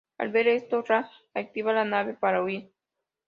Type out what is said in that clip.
Al ver esto, Ra activa la nave para huir.